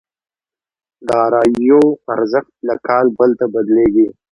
داراییو ارزښت له کال بل ته بدلېږي.